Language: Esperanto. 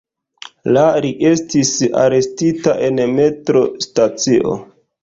La li estis arestita en metro-stacio.